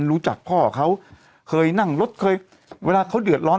รู้จักพ่อเขาเคยนั่งรถเคยเวลาเขาเดือดร้อน